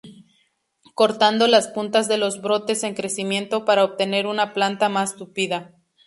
Cortando las puntas de los brotes en crecimiento para obtener una planta más tupida.